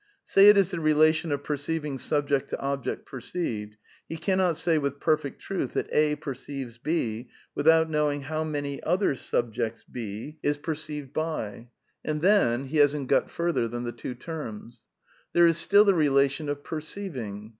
Say it is the relation of perceiving subject to object perceived, he cannot say with perfect truth that A perceives B without knowing how many other subjects B is 198 A DEFENCE OF IDEALISM perceived hj. And then he hasn't got further than the two terms. There is still the relation of perceiving.